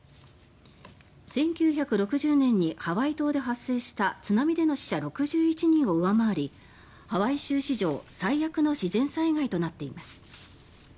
１９６０年にハワイ島で発生した津波での死者６１人を上回りハワイ州史上最悪の自然災害となっています。